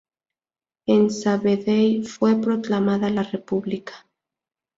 En Sabadell fue proclamada la República.